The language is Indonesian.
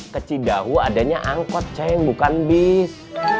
keci dahu adanya angkot ceng bukan bis